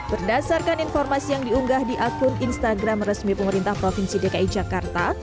berdasarkan informasi yang diunggah di akun instagram resmi pemerintah provinsi dki jakarta